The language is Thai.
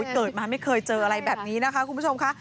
เกิดมาไม่เคยเจออะไรแบบนี้นะคะคุณผู้ชมค่ะ